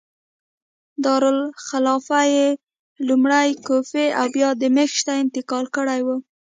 دارالخلافه یې لومړی کوفې او بیا دمشق ته انتقال کړې وه.